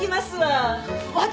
私？